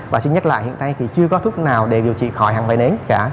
và xin nhắc lại hiện nay thì chưa có thuốc nào để điều trị khỏi hẳn vẫy nến cả